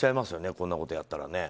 こんなことをやったら。